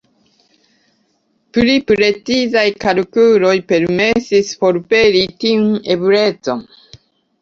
Pli precizaj kalkuloj permesis forpeli tiun eblecon.